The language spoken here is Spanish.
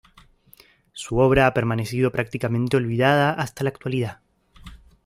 Su obra ha permanecido prácticamente olvidada hasta la actualidad.